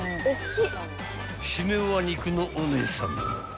［締めは肉のお姉さん］